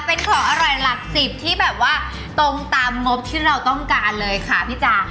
เป็นของอร่อยหลักสิบที่แบบว่าตรงตามงบที่เราต้องการเลยค่ะพี่จ๋า